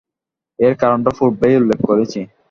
এর কারণটা পূর্বেই উল্লেখ করেছি।